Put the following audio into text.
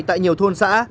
tại nhiều thôn xã